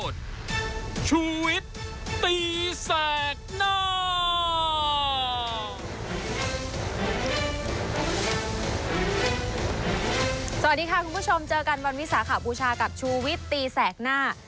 สวัสดีค่ะคุณผู้ชมเจอกันวันวิสาขบูชากับชูวิตตีแสกหน้า